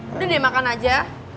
udah deh makan aja